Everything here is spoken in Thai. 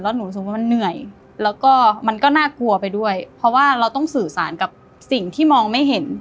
หนูรู้สึกว่ามันเหนื่อยแล้วก็มันก็น่ากลัวไปด้วยเพราะว่าเราต้องสื่อสารกับสิ่งที่มองไม่เห็น